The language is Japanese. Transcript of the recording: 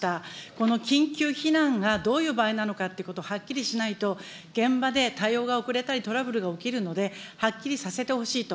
この緊急避難がどういう場合なのかということをはっきりしないと、現場で対応が遅れたり、トラブルが起きるので、はっきりさせてほしいと。